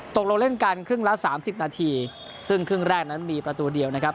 ตกลงเล่นกันครึ่งละสามสิบนาทีซึ่งครึ่งแรกนั้นมีประตูเดียวนะครับ